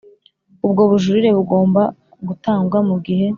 ubwo bujurire bugomba gutangwa mu gihe